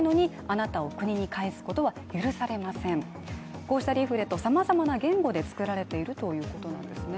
こうしたリーフレットはさまざまな言語で作られているということなんですね。